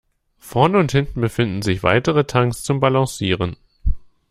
Vorne und hinten befinden sich weitere Tanks zum Balancieren.